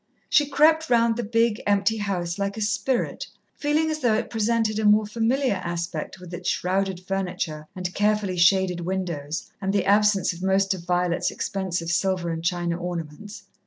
She crept round the big, empty house like a spirit, feeling as though it presented a more familiar aspect with its shrouded furniture and carefully shaded windows, and the absence of most of Violet's expensive silver and china ornaments.